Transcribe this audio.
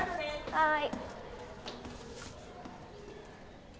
はい。